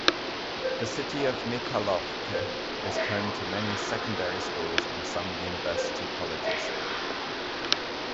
The city of Michalovce is home to many secondary schools and some university colleges.